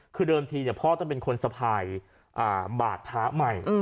คือเดิมทีพ่อต้องเป็นคนสะพายบาทพระใหม่